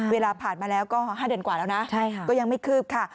เวลาผ่านมาแล้วก็๕เดือนกว่าแล้วนะก็ยังไม่คืบค่ะ